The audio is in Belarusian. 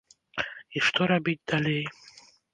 І што рабіць далей?